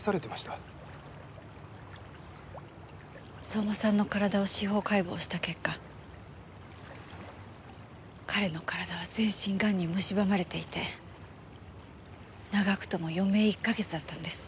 相馬さんの体を司法解剖した結果彼の体は全身がんにむしばまれていて長くとも余命１か月だったんです。